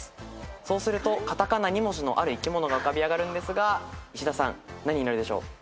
そうすると片仮名２文字のある生き物が浮かび上がるんですが石田さん何になるでしょう？